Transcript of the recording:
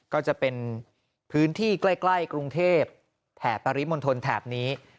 ก็จะเป็นพื้นที่ใกล้กรุงเทพแถบปริมณฑลแถบนี้